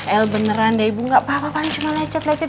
el beneran deh ibu gak apa apa kan cuma lecet lecet